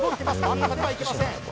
真ん中ではいけません